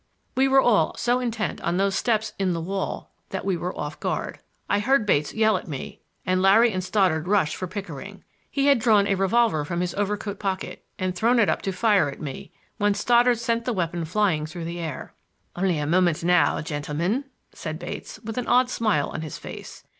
We were all so intent on those steps in the wall that we were off guard. I heard Bates yell at me, and Larry and Stoddard rushed for Pickering. He had drawn a revolver from his overcoat pocket and thrown it up to fire at me when Stoddard sent the weapon flying through the air. "Only a moment now, gentlemen," said Bates, an odd smile on his face.